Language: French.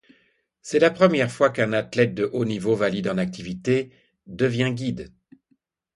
C'est la première fois qu'un athlète de haut niveau valide en activité devient guide.